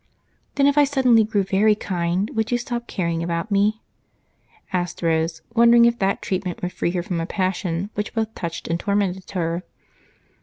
"Then if I suddenly grew very kind, would you stop caring about me?" asked Rose, wondering if that treatment would free her from a passion which both touched and tormented her.